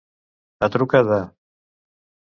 A truca de.